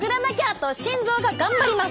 と心臓が頑張ります！